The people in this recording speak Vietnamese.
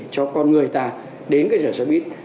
cho con người ta đến cái chợ xe buýt